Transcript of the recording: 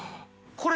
これ。